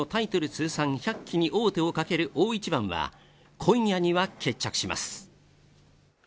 通算１００期に王手をかける大一番は今夜には決着します。